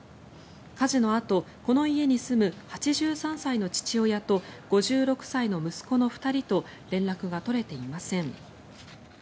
火事のあとこの家に住む８３歳の父親と５６歳の息子の２人と連絡が取れていません。